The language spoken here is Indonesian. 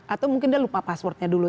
atau mungkin dia lupa passwordnya dulu